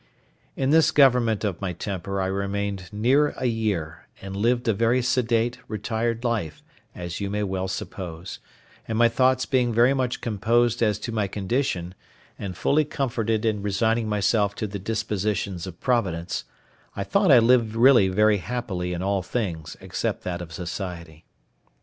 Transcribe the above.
In this government of my temper I remained near a year; and lived a very sedate, retired life, as you may well suppose; and my thoughts being very much composed as to my condition, and fully comforted in resigning myself to the dispositions of Providence, I thought I lived really very happily in all things except that of society.